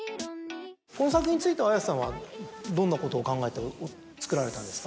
この作品についてＡｙａｓｅさんはどんなことを考えて作られたんですか？